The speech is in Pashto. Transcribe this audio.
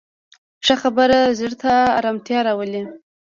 ښه خبره زړه ته ارامتیا راولي